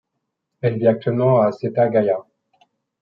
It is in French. Elle vit actuellement à Setagaya.